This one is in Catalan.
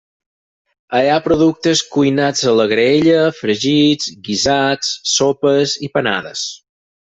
Hi ha productes cuinats a la graella, fregits, guisats, sopes i panades.